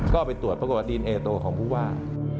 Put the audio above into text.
ก็ไปตรวจประกอบติดเอกโตของผู้ว่า